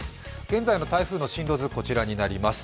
現在の台風の進路図、こちらになります。